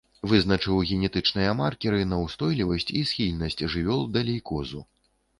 Вызначыў генетычныя маркеры на ўстойлівасць і схільнасць жывёл да лейкозу.